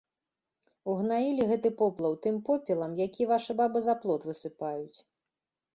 Угнаілі гэты поплаў тым попелам, які вашы бабы за плот высыпаюць.